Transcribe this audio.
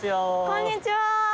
こんにちは。